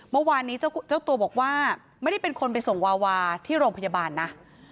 เมื่อวานนี้เจ้าตัวบอกว่าไม่ได้เป็นคนไปส่งวาวาที่โรงพยาบาลนะ